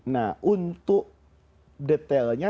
nah untuk detailnya